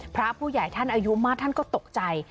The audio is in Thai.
พระผู้ใหญ่ท่านอายุมากท่านก็ตกใจ